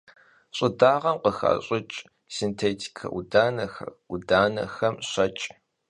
Ş'ıdağem khıxaş'ıç' sintêtike 'Udanexer, 'Udanexem — şeç'.